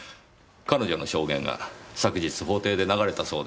彼女の証言が昨日法廷で流れたそうですねぇ。